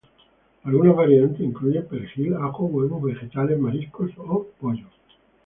Algunas variantes incluyen perejil, ajo, huevo, vegetales, mariscos o pollo.